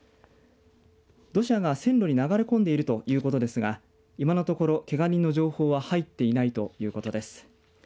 土砂が線路に流れ込んでいるということですが、今のところけが人の情報は入っていないということです。